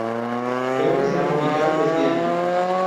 Creo que será publicado este año".